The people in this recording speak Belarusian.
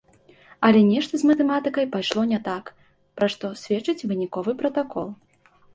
Але нешта з матэматыкай пайшло не так, пра што сведчыць выніковы пратакол.